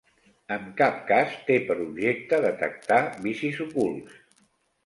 En cap cas té per objecte detectar vicis ocults.